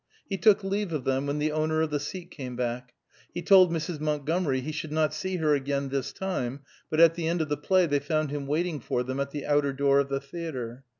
He took leave of them when the owner of the seat came back. He told Mrs. Montgomery he should not see her again this time; but at the end of the play they found him waiting for them at the outer door of the theatre.